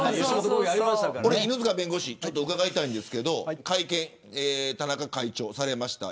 犬塚弁護士、伺いたいんですが会見を田中会長されました。